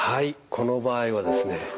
この場合はですね